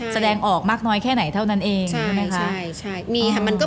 แสดงออกมากน้อยแค่ไหนเท่านั้นเองใช่ไหมคะ